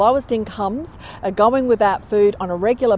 yang berkembang tanpa makanan secara regular